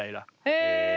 へえ。